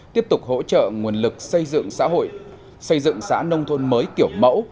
tiếp tục hỗ trợ nguồn lực xây dựng xã hội xây dựng xã nông thôn mới kiểu mẫu